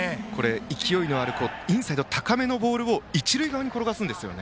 勢いのあるインサイド高めのボールを一塁側に転がしましたね。